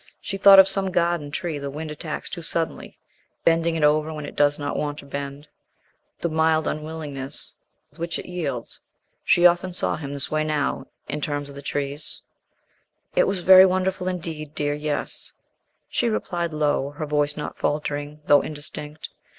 She thought of some garden tree the wind attacks too suddenly, bending it over when it does not want to bend the mild unwillingness with which it yields. She often saw him this way now, in the terms of trees. "It was very wonderful indeed, dear, yes," she replied low, her voice not faltering though indistinct.